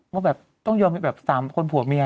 ว่าแบบต้องยอมให้แบบ๓คนผัวเมีย